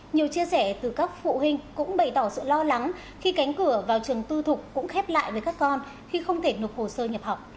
nhiều chia sẻ từ các phụ huynh cũng bày tỏ sự lo lắng khi cánh cửa vào trường tư thục cũng khép lại với các con khi không thể nộp hồ sơ nhập học